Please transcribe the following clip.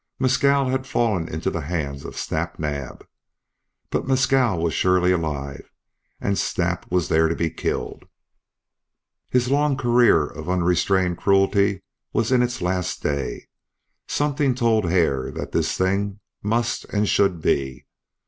Mescal had fallen into the hands of Snap Naab. But Mescal was surely alive and Snap was there to be killed; his long career of unrestrained cruelty was in its last day something told Hare that this thing must and should be.